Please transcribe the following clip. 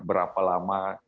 dan berapa lama